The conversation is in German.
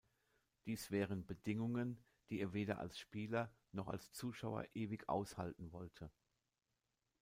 Dies wären Bedingungen, die er weder als Spieler noch als Zuschauer ewig aushalten wollte.